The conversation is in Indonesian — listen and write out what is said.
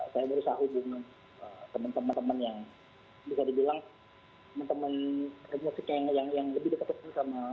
saya berusaha hubungan teman teman teman yang bisa dibilang teman teman musik yang lebih dekat dengan pembunuhan ini